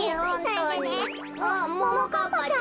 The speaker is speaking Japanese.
あっももかっぱちゃん。